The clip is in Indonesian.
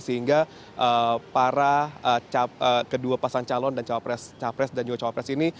sehingga para kedua pasangan calon dan capres cawapres ini